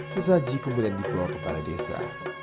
sesaji kemudian di pulau kepala desa